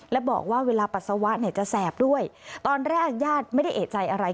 และบอกว่าเวลาปัสสาวะเนี่ยจะแสบด้วยตอนแรกญาติไม่ได้เอกใจอะไร